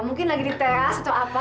mungkin lagi di teras atau apa